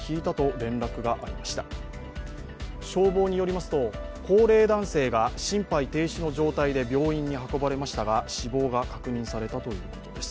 消防によりますと、高齢男性が心肺停止の状態で病院に運ばれましたが死亡が確認されたということです。